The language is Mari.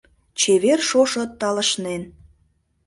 Чевер шошо талышнен...